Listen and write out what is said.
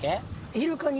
イルカに。